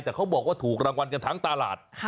แต่เขาบอกว่าถูกรางวัลกันทั้งตลาด